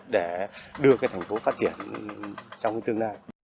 để đưa thành phố phát triển trong tương lai